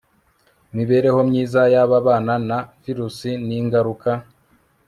mibereho myiza y ababana na virusi n ingaruka